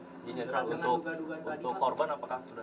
jadi untuk korban apakah sudah ada